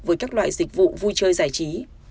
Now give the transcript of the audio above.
với các loại dịch vụ vui chơi giải trí